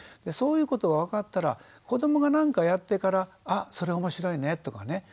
そういうことが分かったら子どもが何かやってからあそれ面白いねとかね